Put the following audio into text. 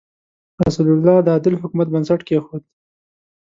رسول الله د عادل حکومت بنسټ کېښود.